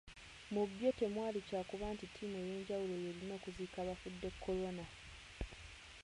Mu byo temwali kyakuba nti ttiimu ey’enjawulo y’erina okuziika abafudde Corona.